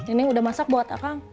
ini udah masak buat akang